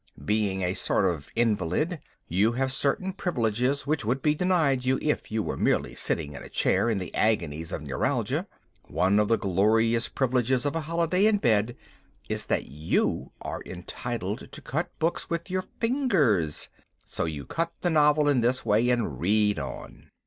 Being a sort of an invalid, you have certain privileges which would be denied you if you were merely sitting in a chair in the agonies of neuralgia. One of the glorious privileges of a holiday in bed is that you are entitled to cut books with your fingers. So you cut the novel in this way, and read on.